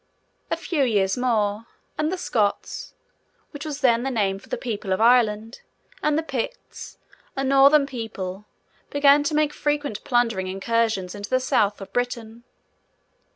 A few years more, and the Scots (which was then the name for the people of Ireland), and the Picts, a northern people, began to make frequent plundering incursions into the South of Britain.